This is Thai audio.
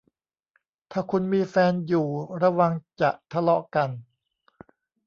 ถ้าคุณมีแฟนอยู่ระวังจะทะเลาะกัน